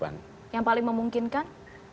sejauh ini adalah yang paling memungkinkan